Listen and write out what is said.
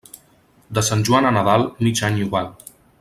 De Sant Joan a Nadal, mig any igual.